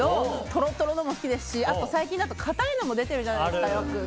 とろとろのも好きですし最近だと固いのも出てるじゃないですか。